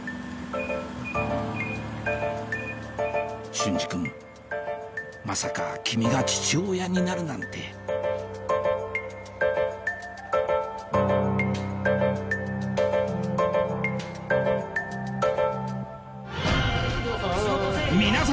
隼司君まさか君が父親になるなんて皆様！